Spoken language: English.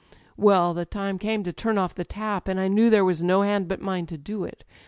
. "Well, the time came to turn off theiap; and I knew there was no hand but mine to do it.